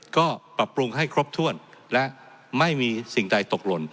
ก็ปรับปรุงให้ครบถ้วนและไม่มีสิ่งใดตกหล่น